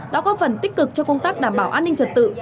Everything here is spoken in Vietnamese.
đã góp phần tích cực cho công tác đảm bảo an ninh trật tự